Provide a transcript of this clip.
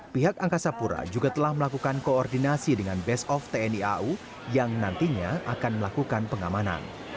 pihak angkasa pura juga telah melakukan koordinasi dengan base of tni au yang nantinya akan melakukan pengamanan